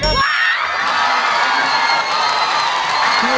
ได้ครับ